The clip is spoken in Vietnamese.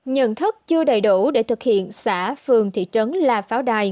nhận thức chưa đầy đủ để thực hiện xã phường thị trấn là pháo đài